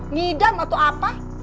ngidam atau apa